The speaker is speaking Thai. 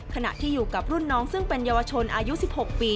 ขณะที่อยู่กับรุ่นน้องซึ่งเป็นเยาวชนอายุ๑๖ปี